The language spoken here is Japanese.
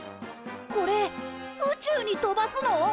これ宇宙に飛ばすの！？